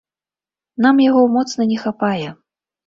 Нам яго моцна не хапае.